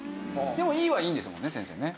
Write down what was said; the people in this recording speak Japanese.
でもいいはいいんですもんね先生ね。